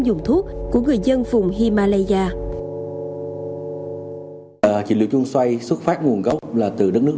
dùng thuốc của người dân vùng himalaya trị liệu chung xoay xuất phát nguồn gốc là từ đất nước